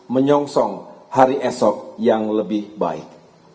menyongsong hari esok yang lebih baik